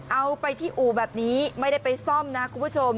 เอาไปที่อู่แบบนี้ไม่ได้ไปซ่อมนะคุณผู้ชม